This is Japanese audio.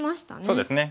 そうですね。